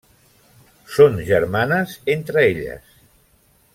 Són germanes entre elles.